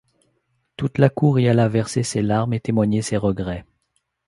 Toute la cour y alla verser ses larmes et témoigner ses regrets.